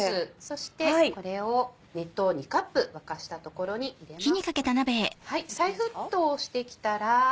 そしてこれを熱湯２カップ沸かしたところに入れます。